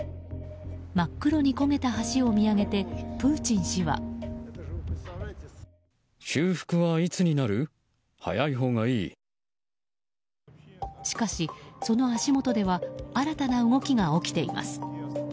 真っ黒に焦げた橋を見上げてプーチン氏は。しかし、その足元では新たな動きが起きています。